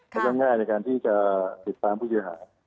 แล้วก็ง่ายในการที่จะติดตามผู้เสียหาย